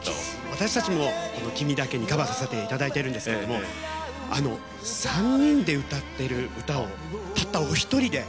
私たちもこの「君だけに」カバーさせて頂いてるんですけれど３人で歌ってる歌をたったお一人で。